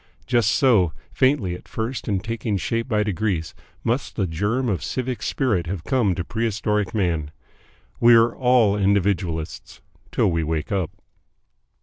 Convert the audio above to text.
Just so, faintly at first and taking shape by degrees, must the germ of civic spirit have come to Prehistoric Man. We are all individualists till we wake up.